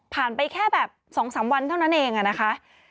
ไปแค่แบบ๒๓วันเท่านั้นเองนะคะ